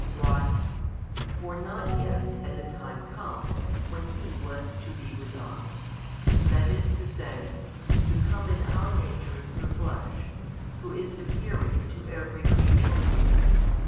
Why? For not yet had the time come, when He was to be with us, i.e., to come in our nature through flesh, Who is superior to every creature.